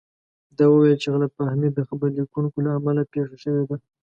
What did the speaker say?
ده وویل چې غلط فهمي د خبر لیکونکو له امله پېښه شوې ده.